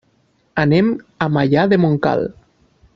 Anem a Maià de Montcal.